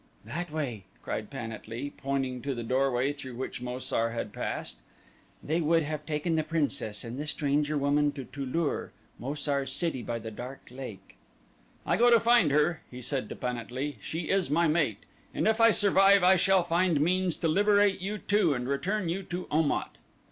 "That way," cried Pan at lee, pointing to the doorway through which Mo sar had passed. "They would have taken the princess and the stranger woman to Tu lur, Mo sar's city by the Dark Lake." "I go to find her," he said to Pan at lee, "she is my mate. And if I survive I shall find means to liberate you too and return you to Om at."